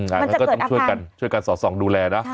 งั้นก็ต้องช่วยกันช่วยกันสอดส่องดูแลนะ